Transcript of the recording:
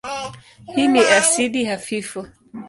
Hii ni asidi hafifu.